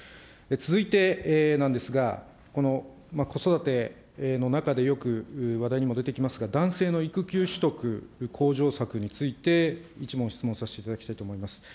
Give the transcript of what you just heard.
続いてなんですが、この子育ての中でよく話題にも出てきますが、男性の育休取得向上策について、１問、質問させていただきたいと思います。